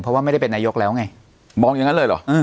เพราะว่าไม่ได้เป็นนายกแล้วไงมองอย่างนั้นเลยเหรอ